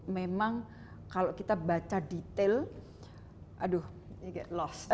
memang kalau kita baca detail aduh you get lost